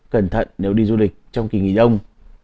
cẩn thận nếu đi du lịch trong kỳ nghỉ đông